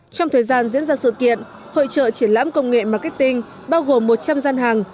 trong thời gian diễn ra sự kiện hội trợ triển lãm công nghệ marketing bao gồm một trăm linh gian hàng